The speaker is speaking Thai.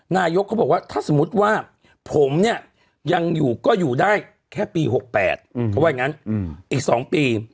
นายกเขาบอกว่าถ้าสมมุติว่าผมเนี่ยยังอยู่ก็อยู่ได้แค่ปี๖๘เขาว่าอย่างนั้นอีก๒ปี